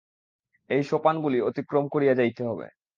এই সোপানগুলি অতিক্রম করিয়া যাইতে হইবে।